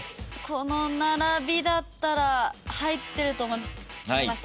この並びだったら入ってると思います。